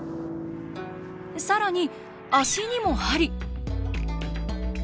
更に足にも鍼。